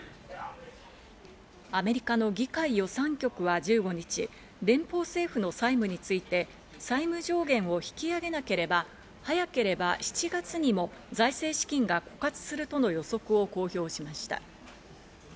アメリカの議会予算局は１５日、連邦政府の債務について債務上限を引き上げなければ、早ければ７月にも財政資金が枯渇するとの予測を公表しました。